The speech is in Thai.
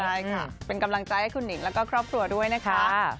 ใช่ค่ะเป็นกำลังใจให้คุณหนิงแล้วก็ครอบครัวด้วยนะคะ